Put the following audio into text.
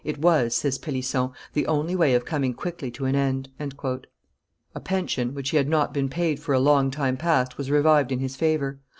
"It was," says Pellisson, "the only way of coming quickly to an end." A pension, which he had, not been paid for a long time past was revived in his favor.